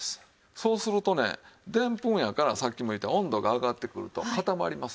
そうするとねでんぷんやからさっきも言った温度が上がってくると固まります。